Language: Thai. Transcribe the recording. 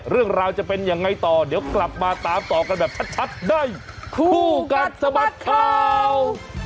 เรื่องราวจะเป็นยังไงต่อเดี๋ยวกลับมาตามต่อกันแบบชัดในคู่กัดสะบัดข่าว